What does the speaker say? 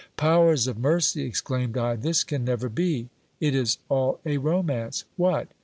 Powers of mercy! exclaimed I, this can never be; it is all a romance. What